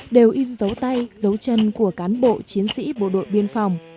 đều in dấu tay dấu chân của cán bộ chiến sĩ bộ đội biên phòng